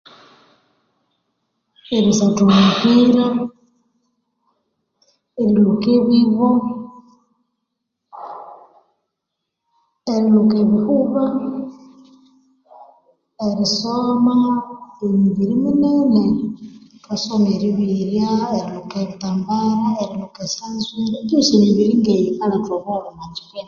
Erisatha omupira erilhuka ebibo erilhuka ebihuba erisoma emibiri minene ithwasoma eribirya erilhuka ebittambara erilhuka esyonzwiri eyosi emibiri ngeyo yikaletha obuholho omwa kipindi